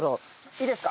いいですか？